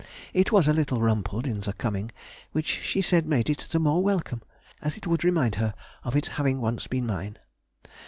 It was a little rumpled in the coming, which she said made it the more welcome, as it would remind her of its having once been mine.